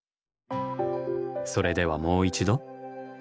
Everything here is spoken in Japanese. それではもう一度。